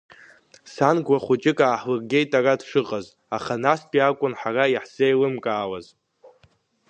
Сан гәра хәыҷык ааҳлыргеит ара дшыҟаз, аха настәи акәын ҳара иаҳзеилымкаауаз.